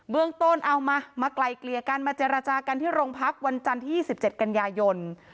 เรื่องต้นเอามามาไกลเกลี่ยกันมาเจรจากันที่โรงพักวันจันทร์ที่๒๗กันยายน